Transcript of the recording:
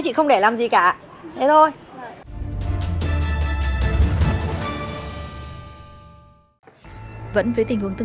sao mày đánh con người ta